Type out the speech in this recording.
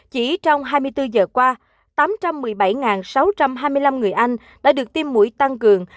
chỉ trong hai mươi bốn giờ qua tám trăm một mươi bảy sáu trăm hai mươi năm người anh đã được tiêm mũi tăng cường